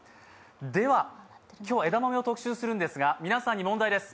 では、今日、枝豆の特集をするんですが、皆さんに問題です。